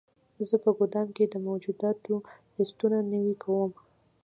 زه په ګدام کې د موجوداتو لیستونه نوي کوم.